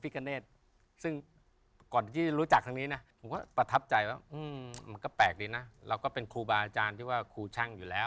เคยก่อนหน้าที่แฟนจะเป็นเนี่ย